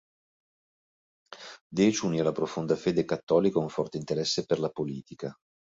Decio unì alla profonda fede cattolica un forte interesse per la politica.